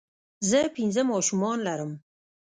زۀ پنځه ماشومان لرم